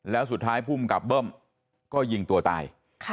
แล้วสุดท้ายภูมิกับเบิ้มก็ยิงตัวตาย